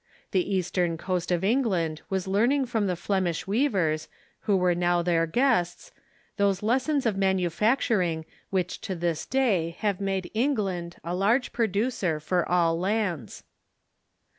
The eastern coast of England was learning from the Flemish weavers, who were now their guests. 454 THE CHURCH IN THE UNITED STATES those lessons of manufacturing which to this day have made England a large producer for all lands.